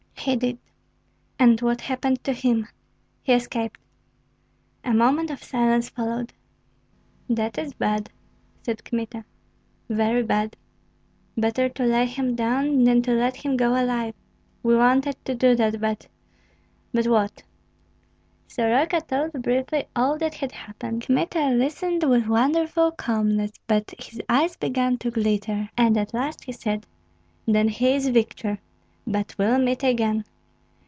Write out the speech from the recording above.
"He did." "And what happened to him?" "He escaped." A moment of silence followed. "That is bad," said Kmita, "very bad! Better to lay him down than to let him go alive." "We wanted to do that, but " "But what?" Soroka told briefly all that had happened. Kmita listened with wonderful calmness; but his eyes began to glitter, and at last he said, "Then he is victor; but we'll meet again.